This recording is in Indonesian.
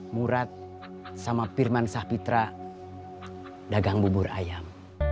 murad sama firman sapitra dagang bubur ayam